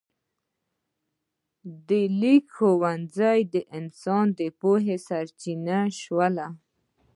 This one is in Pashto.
د لیک ښوونځي د انسان د پوهې سرچینه شول.